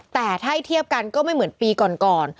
แต่ถ้าเทียบกันก็ไม่เหมือนปีก่อน